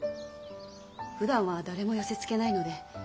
ふだんは誰も寄せつけないので。